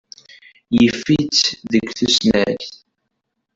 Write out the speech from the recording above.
Yif-itt deg tusnakt.